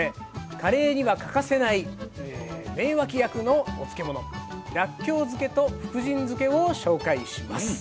カレーには欠かせない名脇役のお漬物らっきょう漬けと福神漬けを紹介します。